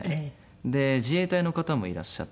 自衛隊の方もいらっしゃって。